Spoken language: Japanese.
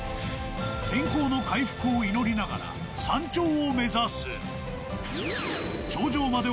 天候の回復を祈りながら、山頂を目指す。